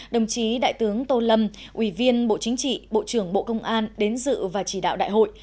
đồng chí đại tướng tô lâm ủy viên bộ chính trị bộ trưởng bộ công an đến dự và chỉ đạo đại hội